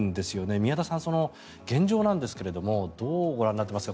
宮田さん、現状なんですがどうご覧になっていますか？